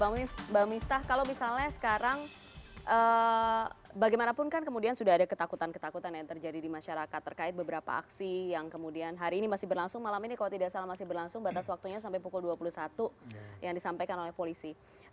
mbak miftah kalau misalnya sekarang bagaimanapun kan kemudian sudah ada ketakutan ketakutan yang terjadi di masyarakat terkait beberapa aksi yang kemudian hari ini masih berlangsung malam ini kalau tidak salah masih berlangsung batas waktunya sampai pukul dua puluh satu yang disampaikan oleh polisi